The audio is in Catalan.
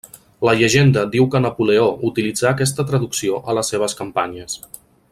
La llegenda diu que Napoleó utilitzà aquesta traducció a les seves campanyes.